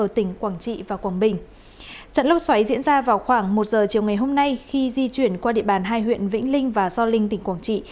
trận lốc xoáy diễn ra vào khoảng một giờ chiều ngày hôm nay khi di chuyển qua địa bàn hai huyện vĩnh linh và gio linh tỉnh quảng trị